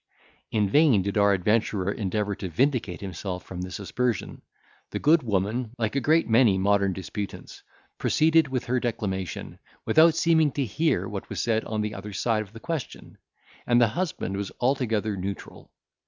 In vain did our adventurer endeavour to vindicate himself from this aspersion; the good woman, like a great many modern disputants, proceeded with her declamation, without seeming to hear what was said on the other side of the question; and the husband was altogether neutral.